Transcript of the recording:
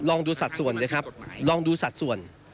ลองดูสัดส่วนสิครับลองดูสัดส่วน